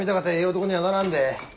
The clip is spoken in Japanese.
男にはならんで。